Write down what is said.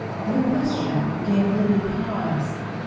The question gave Libby pause.